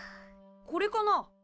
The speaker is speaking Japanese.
これかな？